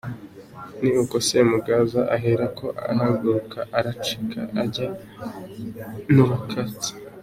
Ni uko Semugaza ahera ko ahaguruka aracika ajyana n'Urukatsa.